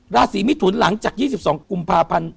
ลาศรีมิถุลหลังจาก๒๒กุมภาพรรณ